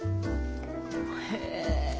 へえ。